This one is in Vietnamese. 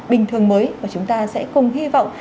bình thường mới và chúng ta sẽ cùng hy vọng